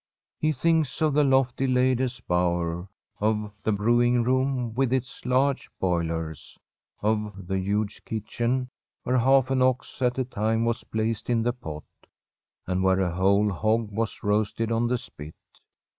He thinks of the lofty ladies' bower ; of the brewing room, with its large boilers ; of the huge kitchen, where half an ox at a time was placed in the pot, and where a whole hog was roasted on the spit.